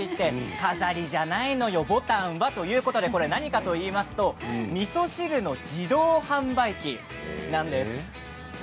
飾りじゃないのよごはんは、ということでこれはみそ汁の自動販売機なんです。